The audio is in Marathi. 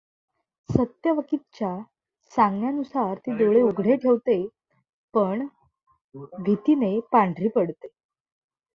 सत्यवतीकच्या सांगण्यानुसार ती डोळे उघडे ठेवते पण भितीने पांढरी पडते.